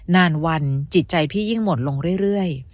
นานวันจิตใจพี่ยิ่งหมดลงเรื่อย